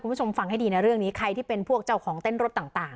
คุณผู้ชมฟังให้ดีนะเรื่องนี้ใครที่เป็นพวกเจ้าของเต้นรถต่าง